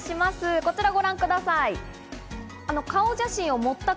こちらご覧ください。